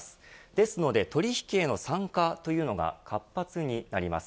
ですので取り引きへの参加というのが活発になります。